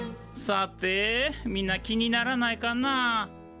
さてみんな気にならないかな？